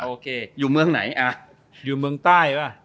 โอเคอยู่เมืองไหนอ่ะอยู่เมืองใต้ป่ะ